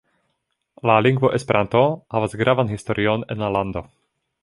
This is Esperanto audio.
La lingvo Esperanto havas gravan historion en la lando.